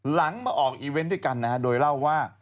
หลังมาออกอีเวนต์ด้วยกันนะฮะโดยเล่าว่า